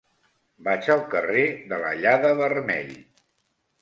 Vaig al carrer de l'Allada-Vermell.